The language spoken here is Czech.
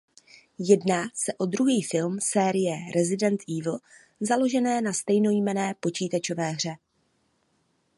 Jedná se o druhý film série Resident Evil založené na stejnojmenné počítačové hře.